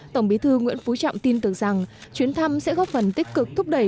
tổng bí thư nguyễn phú trọng tin tưởng rằng chuyến thăm sẽ góp phần tích cực thúc đẩy